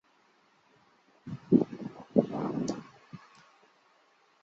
主机埠介面的沟通介面。